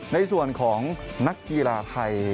ในส่วนของนักกีฬาไทย